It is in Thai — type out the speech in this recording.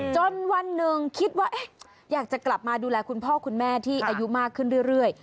วันหนึ่งคิดว่าอยากจะกลับมาดูแลคุณพ่อคุณแม่ที่อายุมากขึ้นเรื่อย